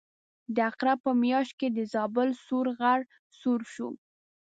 د عقرب په میاشت کې د زابل سور غر سوړ شي.